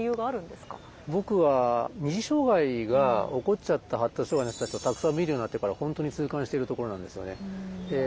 僕は二次障害が起こっちゃった発達障害の人たちをたくさん診るようになってから本当に痛感してるところなんですよね。